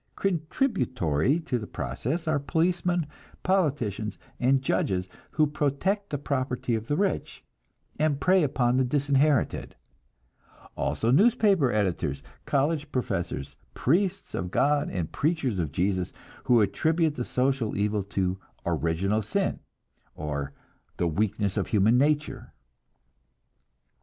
Contributory to the process are policemen, politicians, and judges who protect the property of the rich, and prey upon the disinherited; also newspaper editors, college professors, priests of God and preachers of Jesus, who attribute the social evil to "original sin," or the "weakness of human nature."